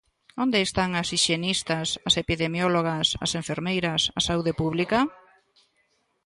Onde están as hixienistas, as epidemiólogas, as enfermeiras, a Saúde Pública?